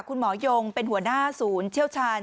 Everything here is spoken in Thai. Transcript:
คุณหมอยงเป็นหัวหน้าศูนย์เชี่ยวชาญ